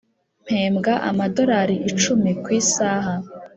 mpembwaamadolari icumi ku isaha.